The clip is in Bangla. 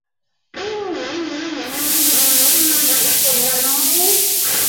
চলচ্চিত্রটি রাহুল দেব বর্মণ সঙ্গীত পরিচালনা করে তুমুল জনপ্রিয়তা পেয়েছিলেন।